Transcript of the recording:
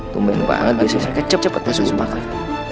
tumen banget biasanya kecap cepet masuk gue makan